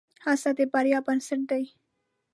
هڅه د بریا بنسټ دی.